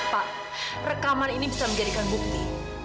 pak rekaman ini bisa menjadikan bukti